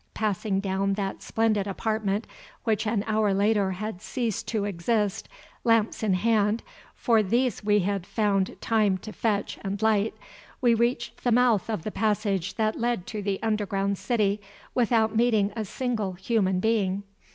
Passing down that splendid apartment, which an hour later had ceased to exist, lamps in hand, for these we had found time to fetch and light, we reached the mouth of the passage that led to the underground city without meeting a single human being.